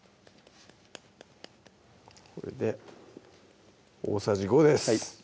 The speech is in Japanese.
これで大さじ５ですはい